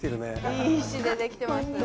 いい石でできてます。